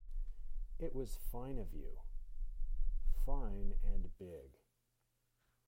It was fine of you — fine and big.